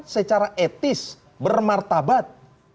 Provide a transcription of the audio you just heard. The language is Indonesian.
secara etis bermartabat